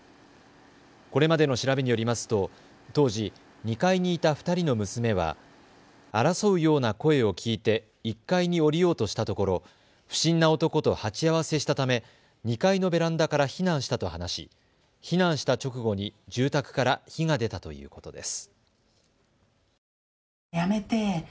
これまでの調べによりますと当時、２階にいた２人の娘は争うような声を聞いて１階に下りようとしたところ、不審な男と鉢合わせしたため２階のベランダから避難したと話し避難した直後に住宅から火が出たということです。